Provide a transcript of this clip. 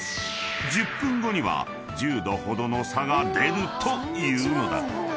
［１０分後には１０℃ほどの差が出るというのだ］